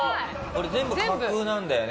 これ全部架空なんだよね？